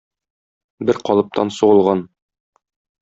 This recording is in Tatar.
Бер калыптан сугылган